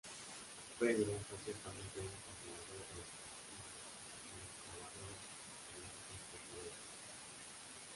Pedro fue ciertamente un compilador de las cantigas de los trovadores galaico-portugueses.